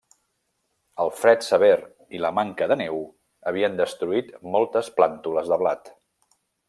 El fred sever i la manca de neu havien destruït moltes plàntules de blat.